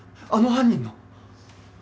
あの犯人の！？